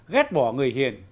ghét bỏ người hiền